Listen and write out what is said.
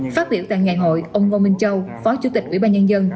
phát biểu tại ngày hội ông ngô minh châu phó chủ tịch ủy ban nhân dân